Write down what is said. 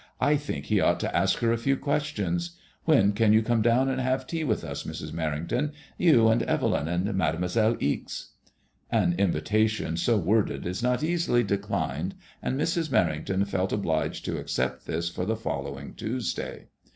I think he ought to ask her a few questions. When can you come down and have tea with us, Mrs. Merrington^ you and Evelyn and Mademoi selle Ixe ?" An invitation so worded is not easily declined, and Mrs. Mer rington felt obliged to accept this for the following Tuesday.